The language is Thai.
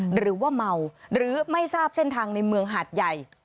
หรือว่าเมาหรือไม่ทราบเส้นทางในเมืองหาดใหญ่